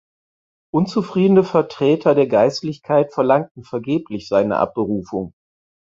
Unzufriedene Vertreter der Geistlichkeit verlangten vergeblich seine Abberufung.